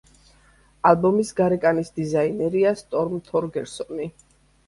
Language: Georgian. ალბომის გარეკანის დიზაინერია სტორმ თორგერსონი.